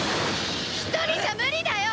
一人じゃ無理だよ！